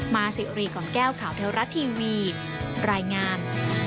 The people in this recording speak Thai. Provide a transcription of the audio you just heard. มาสิริกของแก้วข่าวเทวรัตน์ทีวีรายงาน